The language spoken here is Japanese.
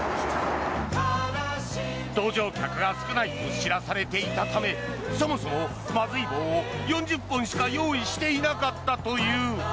搭乗客が少ないと知らされていたためそもそも、まずい棒を４０本しか用意していなかったという。